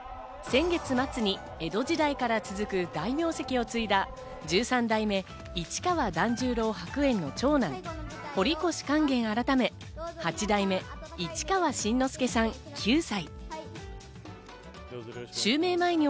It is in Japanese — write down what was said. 先月末に江戸時代から続く大名跡を継いだ、十三代目・市川團十郎白猿の長男、堀越勸玄改め、八代目・市川新之助さん、９歳。